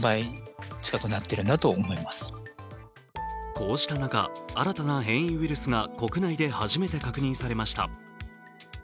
こうした中、新たな変異ウイルスが国内で初めて確認されました。